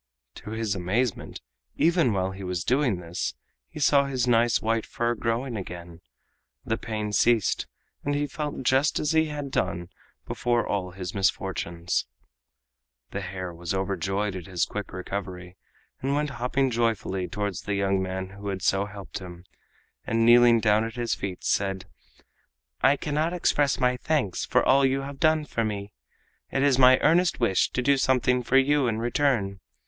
To his amazement, even while he was doing this, he saw his nice white fur growing again, the pain ceased, and he felt just as he had done before all his misfortunes. The hare was overjoyed at his quick recovery, and went hopping joyfully towards the young man who had so helped him, and kneeling down at his feet, said: "I cannot express my thanks for all you have done for me! It is my earnest wish to do something for you in return.